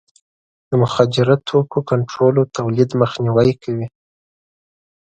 د مخدره توکو کنټرول او تولید مخنیوی کوي.